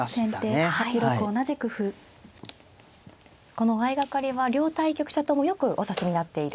この相掛かりは両対局者ともよくお指しになっている。